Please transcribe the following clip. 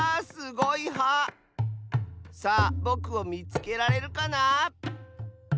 すごい「は」！さあぼくをみつけられるかな？